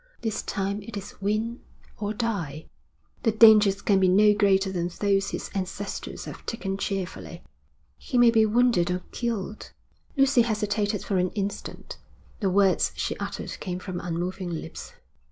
This time it is win or die.' 'The dangers can be no greater than those his ancestors have taken cheerfully.' 'He may be wounded or killed.' Lucy hesitated for an instant. The words she uttered came from unmoving lips.